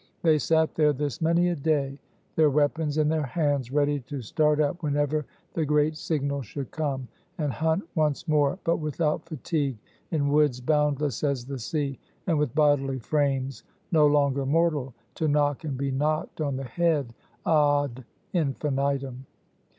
They sat there this many a day, their weapons in their hands, ready to start up whenever the great signal should come, and hunt once more, but without fatigue, in woods boundless as the sea, and with bodily frames no longer mortal, to knock and be knocked on the head, _ad infinitum.